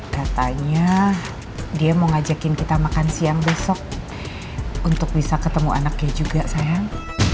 katanya dia mau ngajakin kita makan siang besok untuk bisa ketemu anaknya juga sayang